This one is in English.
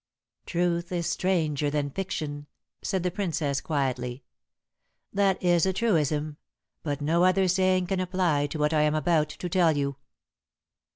"Truth is stranger than fiction," said the Princess quietly. "That is a truism, but no other saying can apply to what I am about to tell you."